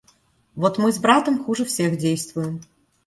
Вот мы с братом хуже всех действуем.